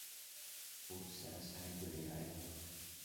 Урҭ сара сааигәара иааиуам.